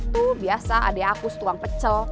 tuh biasa adik aku setuang pecel